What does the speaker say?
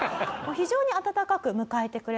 非常に温かく迎えてくれたと。